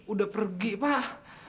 udah pergi pak